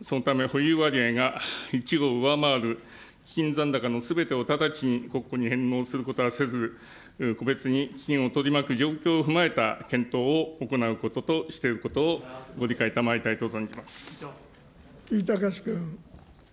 そのため保有割合が１を上回る基金残高のすべてを直ちに国庫に返納することはせず、個別に基金を取り巻く状況を踏まえた検討を行うこととしているこ城井崇君。